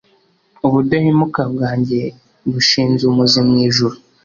ubudahemuka bwanjye bushinze umuzi mu ijuru